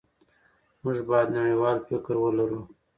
موږ باید نړیوال فکر ولرو.